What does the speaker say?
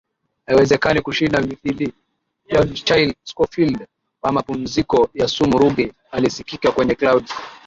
haiwezekani kushinda Mithili ya Michael Scofied wa mapumziko ya sumu Ruge alisikika kwenye Clouds